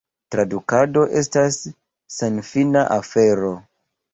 Tradukado estas senfina afero.